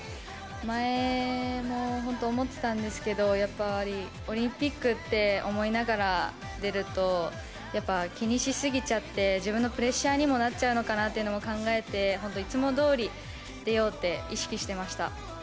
前も本当、思ってたんですけどオリンピックって思いながら出ると気にしすぎちゃって自分のプレッシャーにもなっちゃうのかなというのを考えて本当にいつもどおり出ようって意識していました。